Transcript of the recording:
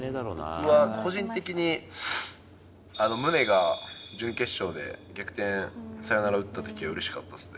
僕は個人的に、ムネが準決勝で逆転サヨナラ打ったときはうれしかったですね。